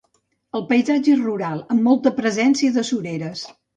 El paisatge és rural, amb molta presència de sureres.